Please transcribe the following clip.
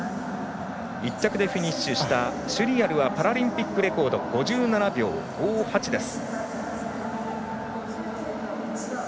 １着でフィニッシュしたシュリアルはパラリンピックレコード５７秒５８です。